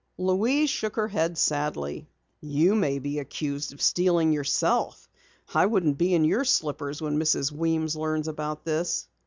Louise shook her head sadly. "You may be accused of stealing yourself. I wouldn't be in your slippers when Mrs. Weems learns about this."